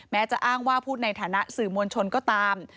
จะอ้างว่าพูดในฐานะสื่อมวลชนก็ตาม